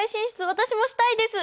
私もしたいです！